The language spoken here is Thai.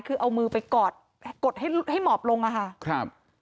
คือเอามือไปกอดกดให้หมอบลงค่ะ